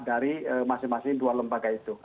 dari masing masing dua lembaga itu